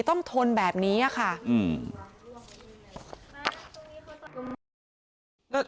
ต้องทนแบบนี้อ่ะค่ะอืม